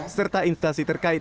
serta instasi terkait